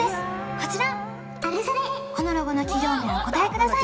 こちらこのロゴの企業名をお答えください